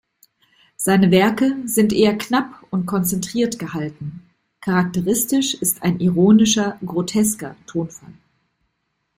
Seine Werke sind eher knapp und konzentriert gehalten, charakteristisch ist ein ironischer, grotesker Tonfall.